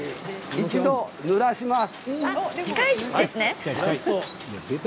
一度ぬらします。